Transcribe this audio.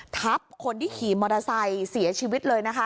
ทับคนที่ขี่มอเตอร์ไซค์เสียชีวิตเลยนะคะ